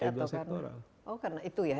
ego sektoral oh karena itu ya